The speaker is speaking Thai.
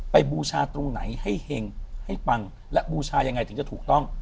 บูชาตรงไหนให้เห็งให้ปังและบูชายังไงถึงจะถูกต้อง